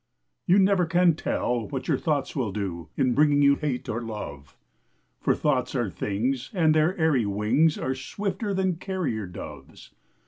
You never can tell what your thoughts will do, In bringing you hate or love; For thoughts are things, and their airy wings Are swifter than carrier doves.